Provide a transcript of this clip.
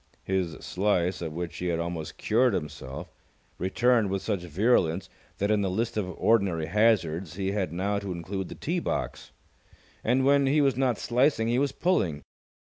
His slice, of which he had almost cured himself, returned with such virulence that in the list of ordinary hazards he had now to include the tee box. And, when he was not slicing, he was pulling.